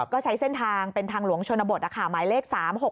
ก็ใช้เส้นทางเป็นทางหลวงชนบทหมายเลข๓๖๖